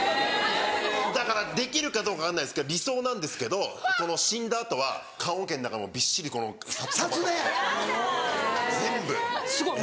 だからできるかどうか分かんないですけど理想なんですけど死んだ後は棺おけの中もうびっしり札束とかで全部。